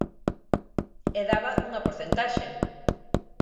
E daba unha porcentaxe.